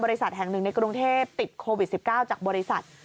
แห่งหนึ่งในกรุงเทพติดโควิด๑๙จากบริษัท